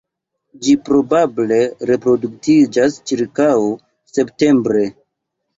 Ĝi probable reproduktiĝas ĉirkaŭ septembre.